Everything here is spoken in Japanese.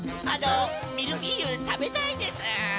あのミルフィーユたべたいです！